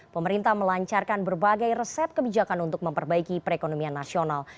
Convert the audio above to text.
pemerintah melancarkan berbagai resep kebijakan untuk memperbaiki perekonomian nasional